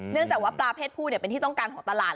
เนื่องจากว่าปลาเพศผู้เป็นที่ต้องการของตลาด